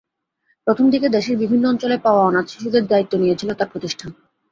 প্রথম দিকে দেশের বিভিন্ন অঞ্চলে পাওয়া অনাথ শিশুদের দায়িত্ব নিয়েছিল তাঁর প্রতিষ্ঠান।